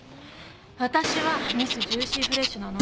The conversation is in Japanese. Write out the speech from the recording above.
私はミスジューシーフレッシュなの。